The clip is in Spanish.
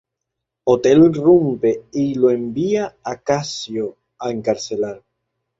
Otelo irrumpe y lo envía a Casio a encarcelar.